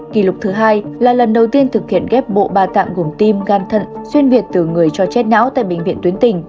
kỷ lục thứ hai là lần đầu tiên thực hiện ghép bộ ba tạng gồm tim gan thận xuyên việt từ người cho chết não tại bệnh viện tuyến tỉnh